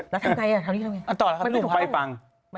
แล้วทำไงอ่ะทำนี้ทำไง